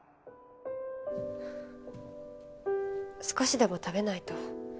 少しでも食べないと。